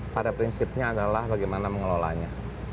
pada prinsipnya adalah bagaimana mengelolanya